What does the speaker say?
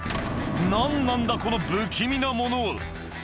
なんなんだ、この不気味なものは。